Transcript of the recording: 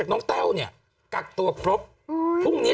กล้องกว้างอย่างเดียว